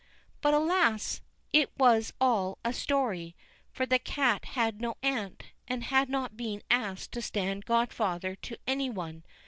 But, alas! it was all a story; for the cat had no aunt, and had not been asked to stand godfather to any one.